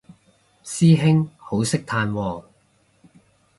師兄好識嘆喎